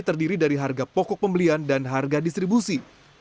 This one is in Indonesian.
terdiri dari harga pokok pembelian dan harga distribusi